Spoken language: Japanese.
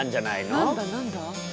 何だ何だ？